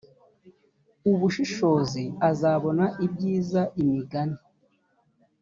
ubushishozi azabona ibyiza imigani